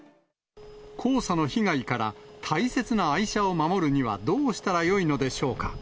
黄砂の被害から大切な愛車を守るにはどうしたらよいのでしょうか。